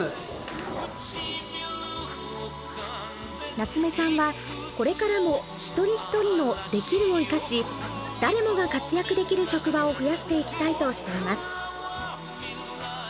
夏目さんはこれからも一人一人の「できる」を生かし誰もが活躍できる職場を増やしていきたいとしています。